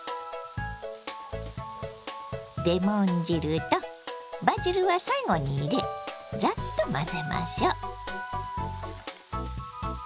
レモン汁とバジルは最後に入れザッと混ぜましょう。